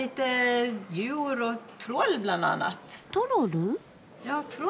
トロル？